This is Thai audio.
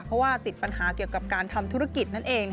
เพราะว่าติดปัญหาเกี่ยวกับการทำธุรกิจนั่นเอง